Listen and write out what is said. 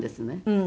うん。